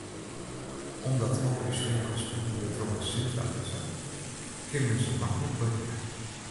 Omdat al ús winkels bûten de drokke sintra lizze, kin men se maklik berikke.